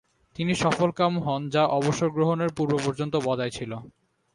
তিনি সফলকাম হন যা অবসরগ্রহণের পূর্ব-পর্যন্ত বজায় ছিল।